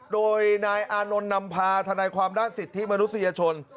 โดยนายอานนท์นำพาทนายความด้านสิทธิมนุษยชน